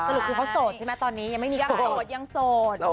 สรุปคือเขาโสดใช่ไหมตอนนี้ยังไม่มีการโสดยังโสด